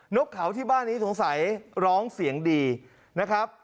กเขาที่บ้านนี้สงสัยร้องเสียงดีนะครับ